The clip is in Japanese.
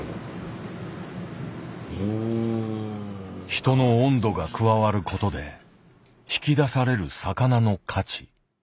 人の温度が加わることで引き出される魚の価値。